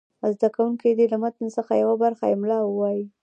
زده کوونکي دې له متن څخه یوه برخه املا ووایي.